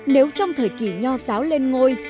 nếu trong thời kỳ nho giáo lên ngôi